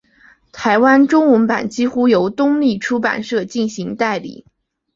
台湾中文版几乎由东立出版社进行代理。